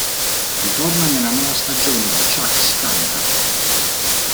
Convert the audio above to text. Ritorna nella nuova stagione di Ciak... si canta!